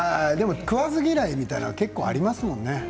食わず嫌いみたいなのも結構ありますものね。